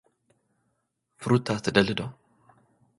ፍሩታ ትደሊ'ዶ?